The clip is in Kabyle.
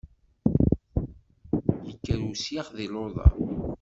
Yekker usyax di luḍa!